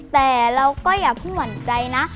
แต่เราก็อย่าเพิ่งหวั่นใจนะ